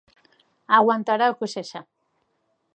Aguantará o que sexa.